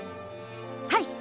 はい！